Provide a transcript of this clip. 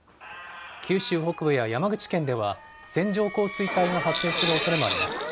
九州北部や山口県では、線状降水帯が発生するおそれもあります。